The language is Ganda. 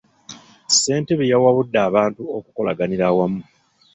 Ssentebe yawabudde abantu okukolaganira awamu.